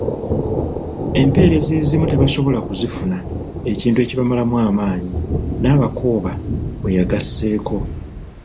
Empeereza ezimu tebasobola kuzifuna, ekintu ekibamalamu amaanyi.” Nabakooba bwe yagasseeko.